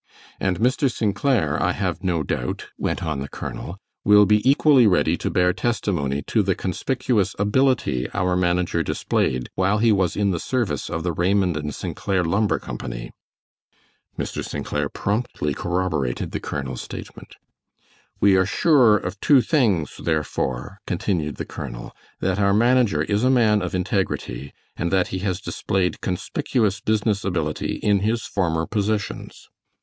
"And Mr. St. Clair, I have no doubt," went on the colonel, "will be equally ready to bear testimony to the conspicuous ability our manager displayed while he was in the service of the Raymond and St. Clair Lumber Company." Mr. St. Clair promptly corroborated the colonel's statement. "We are sure of two things, therefore," continued the colonel, "that our manager is a man of integrity, and that he has displayed conspicuous business ability in his former positions."